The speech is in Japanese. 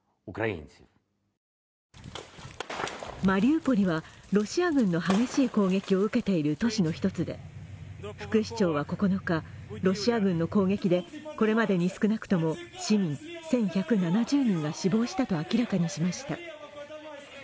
マリウポリはロシア軍の激しい攻撃を受けている都市の１つで、副市長は９日、ロシア軍の攻撃でこれまでに少なくとも市民１１７０人が死亡したと明らかにしました。